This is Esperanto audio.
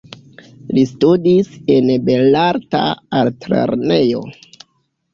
Li studis en Belarta Altlernejo.